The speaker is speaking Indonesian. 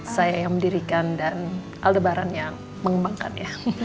saya yang mendirikan dan aldebaran yang mengembangkan ya